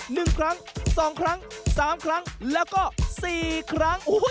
หนึ่งครั้งสองครั้งสามครั้งแล้วก็สี่ครั้งโอ้โห